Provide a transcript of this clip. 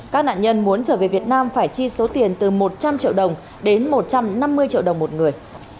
các nạn nhân muốn trở về việt nam phải chi số tiền từ một trăm linh triệu đồng đến một trăm năm mươi triệu đồng một người